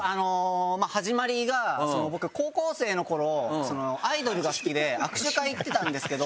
始まりが僕高校生の頃アイドルが好きで握手会行ってたんですけど。